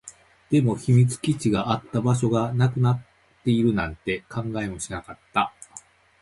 でも、秘密基地があった場所がなくなっているなんて考えもしなかった